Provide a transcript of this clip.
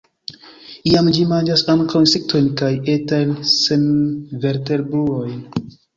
Iam ĝi manĝas ankaŭ insektojn kaj etajn senvertebrulojn.